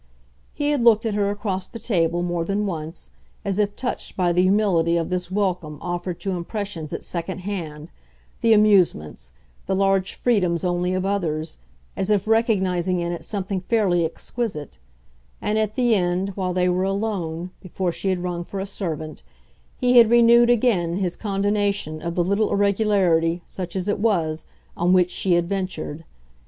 He had looked at her across the table, more than once, as if touched by the humility of this welcome offered to impressions at second hand, the amusements, the large freedoms only of others as if recognising in it something fairly exquisite; and at the end, while they were alone, before she had rung for a servant, he had renewed again his condonation of the little irregularity, such as it was, on which she had ventured.